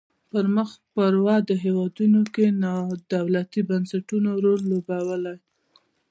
په مخ پر ودې هیوادونو کې نا دولتي بنسټونو رول لوبولای.